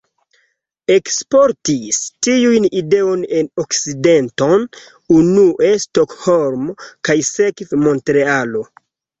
Eksportis tiun ideon en Okcidenton, unue Stokholmo, kaj sekve Montrealo.